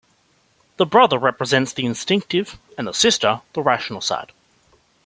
The brother represents the instinctive and the sister the rational side.